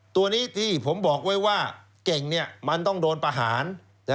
ตัวนี้ที่ผมบอกไว้ว่าเก่งมันต้องโดนประหาร